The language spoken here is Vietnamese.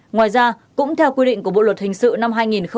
ngoài ra cũng theo quy định của bộ luật hình sự năm hai nghìn một mươi năm